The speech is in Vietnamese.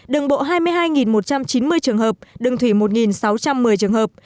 đường bộ hai mươi hai một trăm chín mươi trường hợp đường thủy một sáu trăm một mươi trường hợp